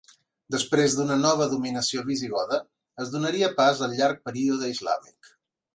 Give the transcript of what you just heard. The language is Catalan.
Després d'una nova dominació visigoda, es donaria pas al llarg període islàmic.